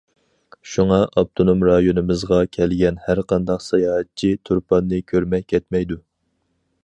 شۇڭا ئاپتونوم رايونىمىزغا كەلگەن ھەر قانداق ساياھەتچى تۇرپاننى كۆرمەي كەتمەيدۇ.